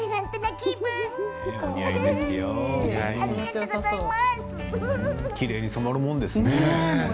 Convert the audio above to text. きれいに染まるものですね。